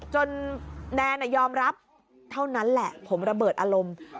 แนนยอมรับเท่านั้นแหละผมระเบิดอารมณ์